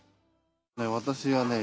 私はねえ！